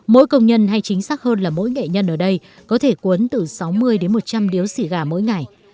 mỗi công nhân hay chính xác hơn là mỗi nghệ nhân ở đây có thể cuốn từ sáu mươi đến một trăm linh điếu xì gà mỗi ngày